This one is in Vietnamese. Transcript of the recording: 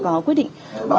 có quyết định